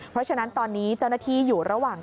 เพราะฉะนั้นตอนนี้เจ้าหน้าที่อยู่ระหว่าง